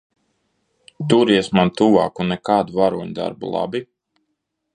Turies man tuvāk un nekādu varoņdarbu, labi?